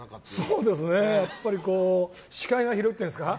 そうですね、やっぱり視界が広いっていうんですか。